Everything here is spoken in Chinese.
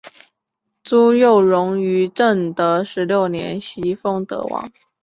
朱佑榕于正德十六年袭封德王。